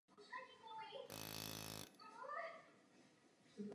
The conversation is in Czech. Každý s tím souhlasil.